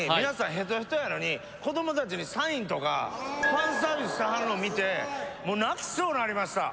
ヘトヘトやのにファンサービスしてはるのを見てもう泣きそうになりました